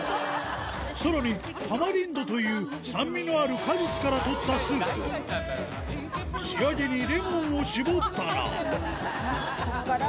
さらにタマリンドという酸味のある果実からとったスープ仕上げにレモンを搾ったらここから。